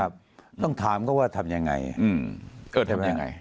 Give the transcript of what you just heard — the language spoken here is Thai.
ครับต้องถามก็ว่าทำยังไงเออทำยังไง